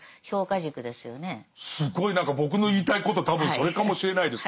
すごい何か僕の言いたいこと多分それかもしれないです。